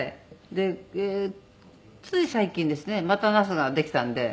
でつい最近ですねまたナスができたので。